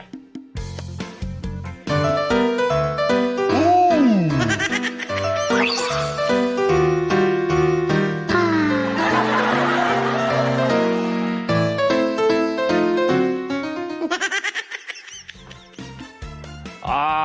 อ่า